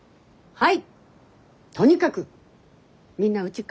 はい。